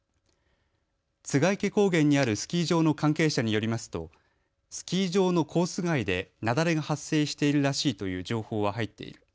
栂池高原にあるスキー場の関係者によりますとスキー場のコース外で雪崩が発生しているらしいという情報は入っている。